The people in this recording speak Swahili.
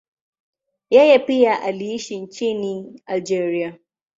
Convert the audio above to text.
Yeye pia aliishi nchini Algeria.